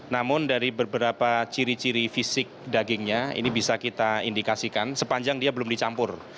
namun dari beberapa ciri ciri fisik dagingnya ini bisa kita indikasikan sepanjang dia belum dicampur